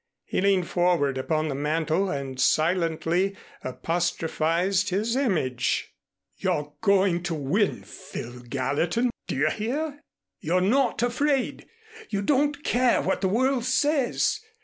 He leaned forward upon the mantel and silently apostrophized his image. "You're going to win, Phil Gallatin. Do you hear? You're not afraid. You don't care what the world says.